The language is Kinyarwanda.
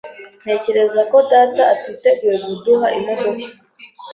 Ntekereza ko data atiteguye kuduha imodoka.